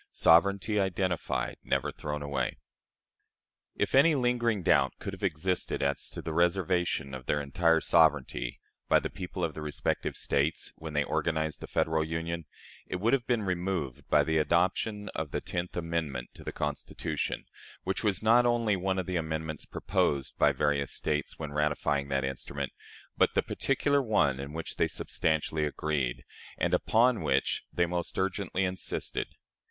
Sovereignty identified. Never thrown away. If any lingering doubt could have existed as to the reservation of their entire sovereignty by the people of the respective States, when they organized the Federal Union, it would have been removed by the adoption of the tenth amendment to the Constitution, which was not only one of the amendments proposed by various States when ratifying that instrument, but the particular one in which they substantially agreed, and upon which they most urgently insisted.